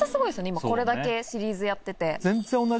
今これだけシリーズやってて。